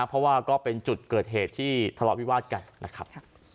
เพราะว่าก็เป็นจุดเกิดเหตุที่ทะเลาะวิวาสกันนะครับ